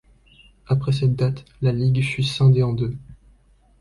Après cette date, la ligue fut scindée en deux.